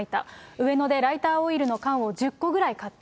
上野でライターオイルの缶を１０個ぐらい買った。